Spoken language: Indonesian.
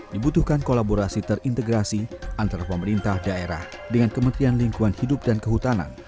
dibutuhkan kolaborasi terintegrasi antara pemerintah daerah dengan kementerian lingkungan hidup dan kehutanan